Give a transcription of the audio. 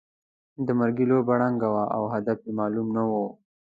د مرګي لوبه ړنده وه او هدف یې معلوم نه وو.